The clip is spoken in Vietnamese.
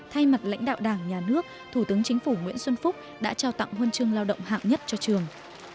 thay mặt lãnh đạo đảng nhà nước thủ tướng chính phủ nguyễn xuân phúc đã trao tặng huân chương lao động hạng nhất cho trường